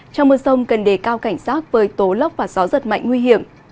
trong mưa sông cần đề cao cảnh sát với tố lốc và gió giật mạnh nguy hiểm